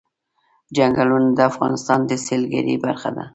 چنګلونه د افغانستان د سیلګرۍ برخه ده.